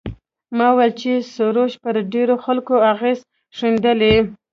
ما وویل چې سروش پر ډېرو خلکو اغېز ښندلی.